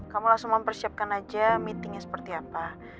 kamu langsung mempersiapkan aja meetingnya seperti apa